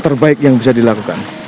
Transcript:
terbaik yang bisa dilakukan